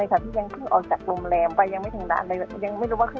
อาหารอุ้มเมื่อประมาณ๒๔บาทอุตส่องต่างส่องอีก๓๑บาท